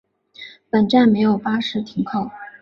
本站没有巴士停靠。